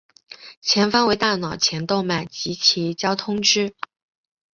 前方为大脑前动脉及其交通支。